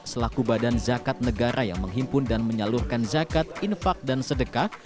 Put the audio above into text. selaku badan zakat negara yang menghimpun dan menyalurkan zakat infak dan sedekah